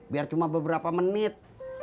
biar cuma beberapa menit